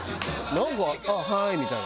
なんか「あっはい」みたいな。